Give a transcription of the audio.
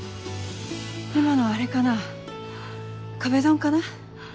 今のあれかな壁ドンかな？